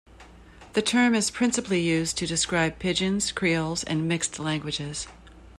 The term is principally used to describe pidgins, creoles, and mixed languages.